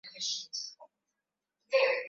sheria za kimataifa zilizofafanua mauaji ya kimbari